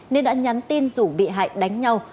nên đã nhắn tin rủ bị hại đánh nhau